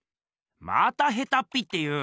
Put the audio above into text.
またヘタッピって言う。